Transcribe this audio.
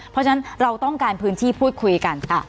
เพราะฉะนั้นเราต้องการพื้นที่พูดคุยกันค่ะ